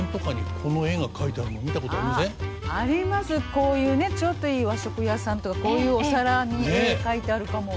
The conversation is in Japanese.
こういうねちょっといい和食屋さんとかこういうお皿に絵描いてあるかも。